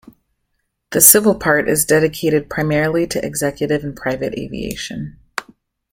The civil part is dedicated primarily to executive and private aviation.